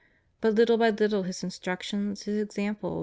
But little by little His instructions. His ex ample.